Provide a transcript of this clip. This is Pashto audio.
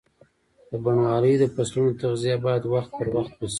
د بڼوالۍ د فصلونو تغذیه باید وخت پر وخت وشي.